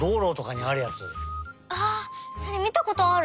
それみたことある。